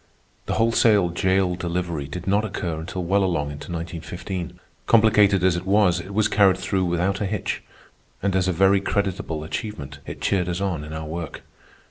The wholesale jail delivery did not occur until well along into 1915. Complicated as it was, it was carried through without a hitch, and as a very creditable achievement it cheered us on in our work.